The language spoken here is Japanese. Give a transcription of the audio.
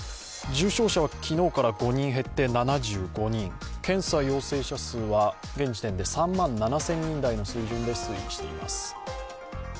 重症者は昨日から５人減って７５人、検査陽性者数は現時点で３７００人台で推移しています。